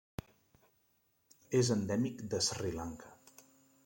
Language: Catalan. És endèmic de Sri Lanka.